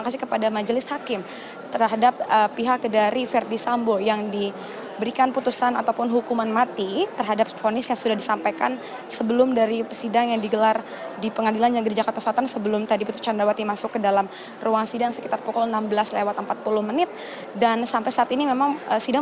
sejak sidang kemarin